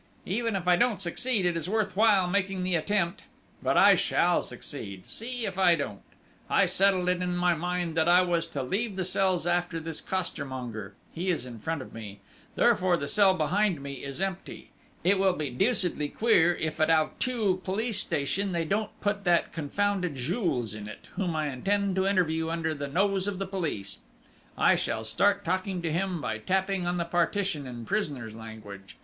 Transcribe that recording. "Even if I don't succeed, it is worth while making the attempt!... But I shall succeed see if I don't!... I settled it in my mind that I was to leave the cells after this costermonger: he is in front of me, therefore the cell behind me is empty. It will be deucedly queer if, at Auteuil police station, they don't put that confounded Jules in it, whom I intend to interview under the nose of the police!... I shall start talking to him by tapping on the partition in prisoner's language.